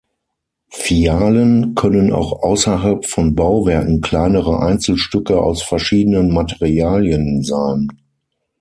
Fialen können auch außerhalb von Bauwerken kleinere Einzelstücke aus verschiedenen Materialien sein.